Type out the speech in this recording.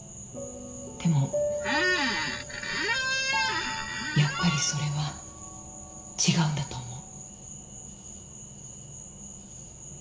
でもやっぱりそれは違うんだと思う。